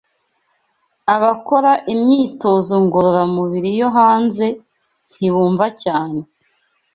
Abakora imyitozo ngororamubiri yo hanze ntibumva cyane